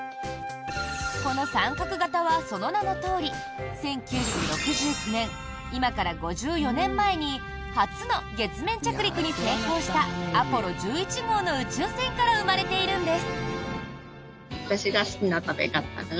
この三角型はその名のとおり１９６９年、今から５４年前に初の月面着陸に成功したアポロ１１号の宇宙船から生まれているんです。